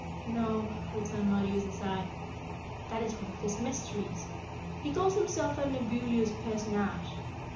"No," returned Mollie, with a sigh; "that is one of his mysteries. He calls himself a nebulous personage.